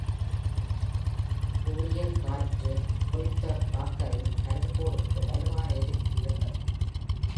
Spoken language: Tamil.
சூரியக் காற்று குறித்த பார்க்கரின் கருதுகோளுக்கு வலுவான எதிர்ப்பு இருந்தது.